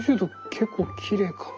結構きれいかも。